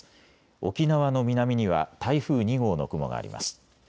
沖縄の南には台風２号の雲があります。